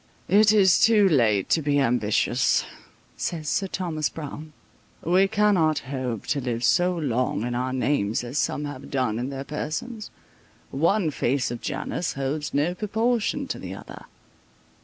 "It is too late to be ambitious," says Sir Thomas Browne. "We cannot hope to live so long in our names as some have done in their persons; one face of Janus holds no proportion to the other."